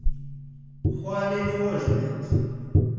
خوا لێی خۆش بێت